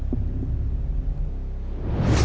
สิ่งนี้ครับ